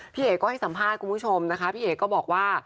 พี่เอ๋ก็ให้สัมภาษณ์คุณผู้ชมนะคะพี่เอ๋ก็บอกว่า